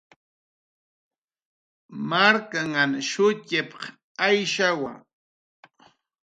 "Marknhan shutxp""q Ayshawa."